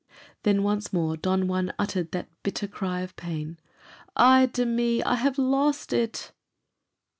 Then once more Don Juan uttered that cry of bitter pain, "Ay de mi! I have lost it!"